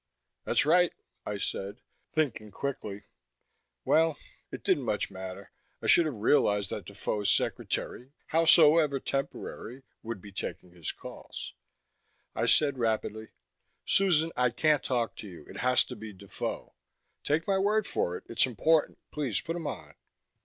"That's right," I said, thinking quickly. Well, it didn't much matter. I should have realized that Defoe's secretary, howsoever temporary, would be taking his calls. I said rapidly: "Susan, I can't talk to you. It has to be Defoe. Take my word for it, it's important. Please put him on."